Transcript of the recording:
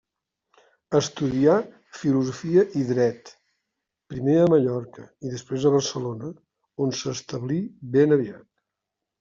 Estudià filosofia i dret, primer a Mallorca i després a Barcelona, on s'establí ben aviat.